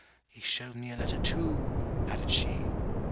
'He showed me a letter too,' added she.